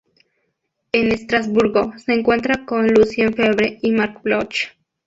En Estrasburgo, se encuentra con Lucien Febvre y Marc Bloch.